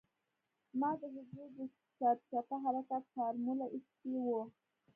ما د حجرو د سرچپه حرکت فارموله اېستې وه.